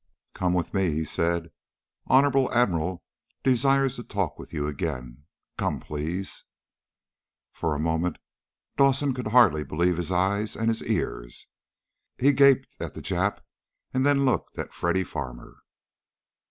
"Come with me," he said. "Honorable Admiral desires to talk with you again. Come please." For a moment Dawson could hardly believe his eyes and ears. He gaped at the Jap and then looked at Freddy Farmer.